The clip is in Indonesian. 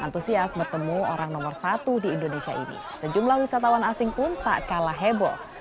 antusias bertemu orang nomor satu di indonesia ini sejumlah wisatawan asing pun tak kalah heboh